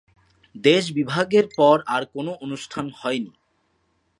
দেশ বিভাগের পর আর কোন অনুষ্ঠান হয়নি।